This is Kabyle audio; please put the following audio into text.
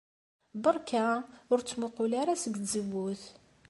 Beṛka ur ttmuqqul ara seg tzewwut.